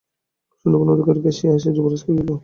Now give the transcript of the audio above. সৈন্যগণ অধিকতর ঘেঁষিয়া আসিয়া যুবরাজকে ঘিরিল।